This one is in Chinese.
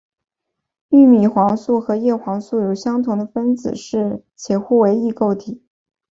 玉米黄素和叶黄素有相同的分子式且互为异构体。